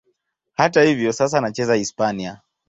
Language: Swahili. Hata hivyo, sasa anacheza Hispania.